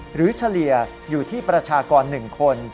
หรือเฉลี่ยอยู่ที่ประชากรหนึ่งคน